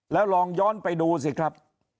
แล้วลองย้อนไปดูสิครับ